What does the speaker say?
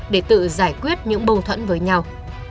để tự giải quyết những bầu thuẫn với nhau